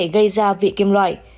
gây ra vị kim loại